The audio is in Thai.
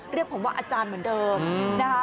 เรียกผมว่าอาจารย์เหมือนเดิมนะคะ